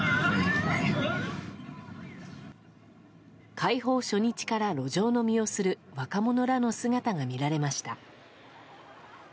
開放初日から路上飲みをする若者らの姿が見られました。